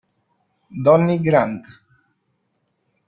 Donny Grant